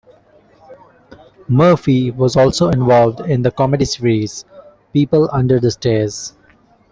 Murphy was also involved in the comedy series "People Under the Stares".